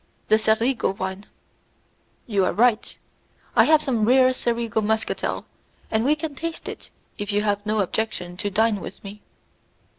"The Cerigo wine." "You are right. I have some rare Cerigo muscatel, and we can taste it if you have no objection to dine with me."